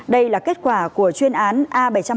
đây là kết quả của chuyên án a bảy trăm hai mươi